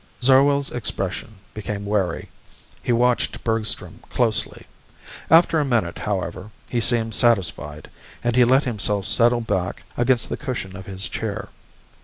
Zarwell's expression became wary. He watched Bergstrom closely. After a minute, however, he seemed satisfied, and he let himself settle back against the cushion of his chair.